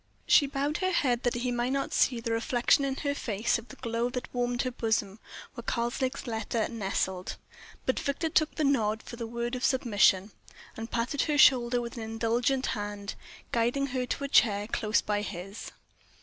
She bowed her head, that he might not see the reflection in her face of the glow that warmed her bosom, where Karslake's letter nestled. But Victor took the nod for the word of submission, and patted her shoulder with an indulgent hand, guiding her to a chair close by his.